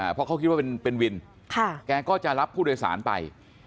เพราะเขาคิดว่าเป็นวินแกก็จะรับผู้โดยสารไป